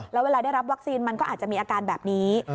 แล้วเวลาได้รับวัคซีนมันก็อาจจะมีอาการแบบนี้